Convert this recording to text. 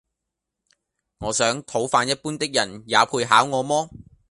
我想，討飯一樣的人，也配考我麼？